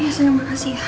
iya terima kasih ya